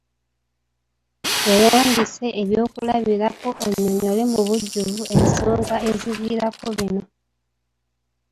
Weeyambise ebyokulabirako onnyonnyole mu bujjuvu ensonga eziviirako bino.